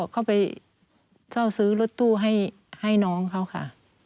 ก็ไปเช่าซื้อรถตู้ให้น้องเขาค่ะ